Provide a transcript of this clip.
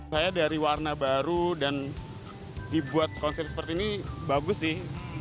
saya dari warna baru dan dibuat konsep seperti ini bagus sih